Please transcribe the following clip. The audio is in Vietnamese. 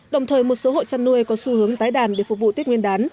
đồng thời một số hộ chăn nuôi có xu hướng tái đàn để phục vụ tiết nguyên đán